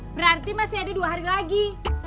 berarti masih ada dua hari lagi